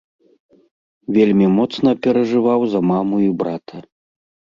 Вельмі моцна перажываў за маму і брата.